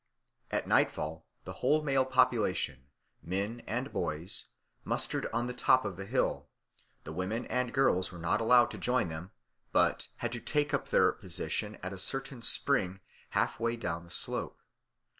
At nightfall the whole male population, men and boys, mustered on the top of the hill; the women and girls were not allowed to join them, but had to take up their position at a certain spring half way down the slope.